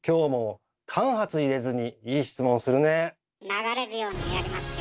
流れるようにやりますよ。